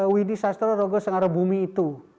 widi sastro rogo sengarabumi itu